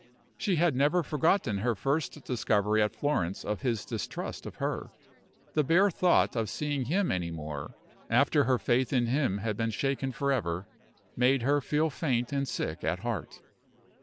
She had never forgotten her first discovery at Florence of his distrust of her. The bare thought of seeing him any more, after her faith in him had been shaken forever, made her feel faint and sick at heart.